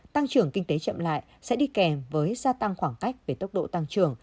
tăng trưởng kinh tế chậm lại sẽ đi kèm với gia tăng khoảng cách về tốc độ tăng trưởng